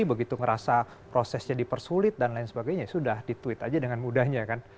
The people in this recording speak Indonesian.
begitu ngerasa prosesnya dipersulit dan lain sebagainya sudah di tweet aja dengan mudahnya kan